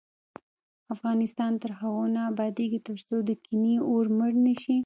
افغانستان تر هغو نه ابادیږي، ترڅو د کینې اور مړ نشي.